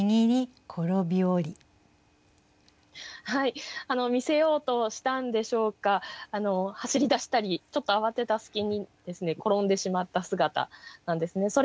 はい見せようとしたんでしょうか走りだしたりちょっと慌てた隙に転んでしまった姿なんですね。